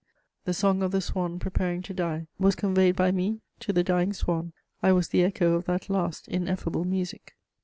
The song of the swan preparing to die was conveyed by me to the dying swan: I was the echo of that last ineffable music!